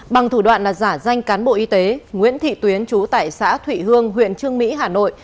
bằng thủ đoạn là giả danh cán bộ y tế nguyễn thị tuyến chú tại xã thụy hương huyện trương mỹ hà nội